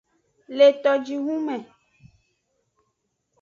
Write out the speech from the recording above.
Le tojihun me.